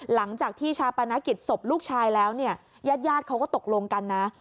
หลังจากที่ชาปนกิจศพลูกชายแล้วเนี่ยญาติญาติเขาก็ตกลงกันนะ